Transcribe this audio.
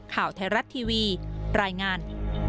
ข่าวไทยรัฐทีวีรายงาน